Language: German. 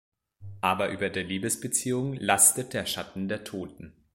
Aber über der Liebesbeziehung lastet der Schatten der Toten.